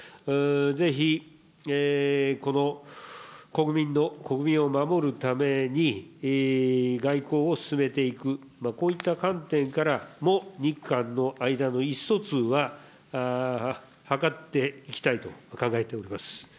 ぜひ国民を守るために、外交を進めていく、こういった観点からも日韓の間の意思疎通は図っていきたいと考えております。